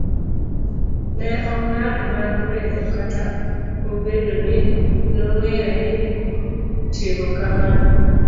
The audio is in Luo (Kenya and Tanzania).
C. ne ong'ado mar ringo kata obedo ni nong'eyo ni timo kamano